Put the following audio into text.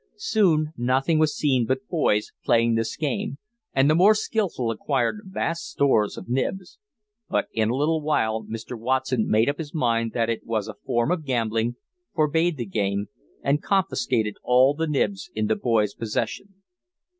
Soon nothing was seen but boys playing this game, and the more skilful acquired vast stores of nibs. But in a little while Mr. Watson made up his mind that it was a form of gambling, forbade the game, and confiscated all the nibs in the boys' possession.